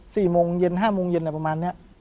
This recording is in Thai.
สี่โมงเย็นห้าโมงเย็นอะไรประมาณเนี้ย